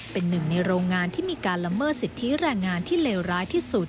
เป็นหนึ่งในโรงงานที่มีการละเมิดสิทธิแรงงานที่เลวร้ายที่สุด